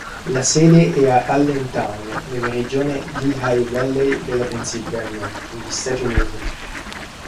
La sede è a Allentown nella regione Lehigh Valley della Pennsylvania, negli Stati Uniti.